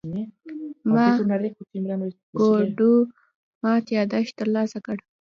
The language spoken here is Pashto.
ما ګوډو مات يادښت ترلاسه کړ.